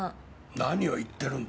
何を言ってるんだ。